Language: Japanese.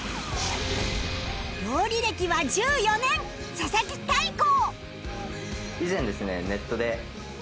料理歴は１４年佐々木大光